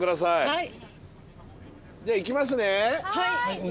はい。